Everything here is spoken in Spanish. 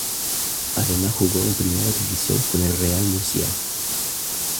Además jugó en Primera División con el Real Murcia.